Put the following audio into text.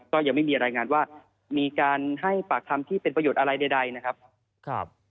ก็ยังไม่มีรายงานว่ามีการให้ปากคำที่เป็นประโยชน์อะไรใดนะครับ